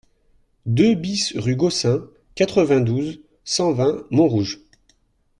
deux BIS rue Gossin, quatre-vingt-douze, cent vingt, Montrouge